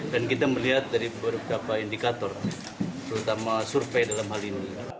kita melihat dari beberapa indikator terutama survei dalam hal ini